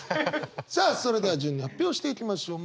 さあそれでは順に発表していきましょう。